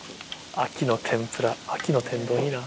秋の天ぷら秋の天丼いいな。